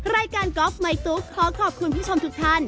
รายการก๊อบไม่ตุ๊กขอขอบคุณผู้ชมทุกท่าน